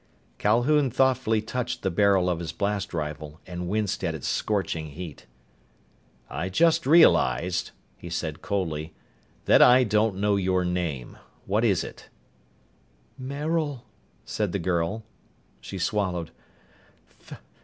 Calhoun thoughtfully touched the barrel of his blast rifle and winced at its scorching heat. "I just realized," he said coldly, "that I don't know your name. What is it?" "Maril," said the girl. She swallowed.